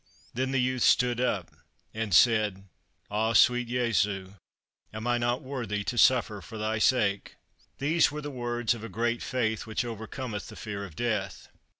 Then the youth stood up, and said, "Ah, sweet Jesu! am I not worthy to suffer for thy sake?" These were words of a great faith, which overcometh the fear of death.